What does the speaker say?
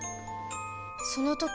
その時